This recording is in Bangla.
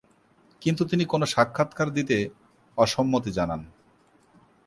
কিন্তু তিনি কোন সাক্ষাৎকার দিতে অসম্মতি জানান।